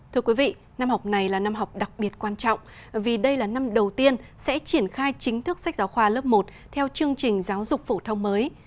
thưa quý vị năm học này là năm học đặc biệt quan trọng vì đây là năm đầu tiên sẽ triển khai chính thức sách giáo khoa lớp một theo chương trình giáo dục phổ thông mới